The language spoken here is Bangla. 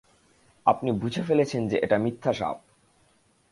আপনি বুঝে ফেলেছেন যে এটা মিথ্যা সাপ।